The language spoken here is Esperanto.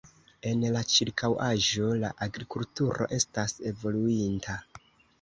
En la ĉirkaŭaĵo la agrikulturo estas evoluinta.